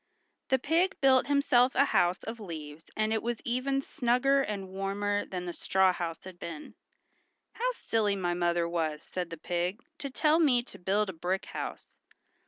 The pig built himself a house of leaves and it was even snugger and warmer than the straw house had been. "How silly my mother was," said the pig, "to tell me to build a brick house.